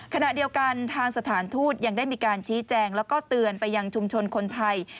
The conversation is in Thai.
ขณะเดียวกันทางสถานทูตยังได้มีการชี้แจงแล้วก็เตือนไปยังชุมชนคนไทย